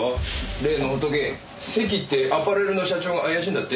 例のホトケ関ってアパレルの社長が怪しいんだって？